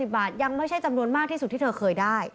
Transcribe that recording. บาทยังไม่ใช่จำนวนมากที่สุดที่เธอเคยได้